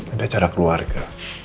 ada acara keluarga